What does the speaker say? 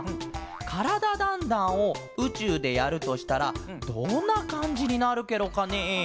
「からだ☆ダンダン」をうちゅうでやるとしたらどんなかんじになるケロかねえ？